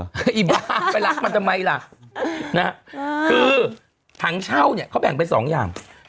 ไอ้บ้าไปรักมันทำไมล่ะคือถังเช่าเขาแบ่งเป็น๒อย่าง